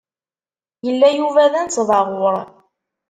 Yella Yuba d anesbaɣur.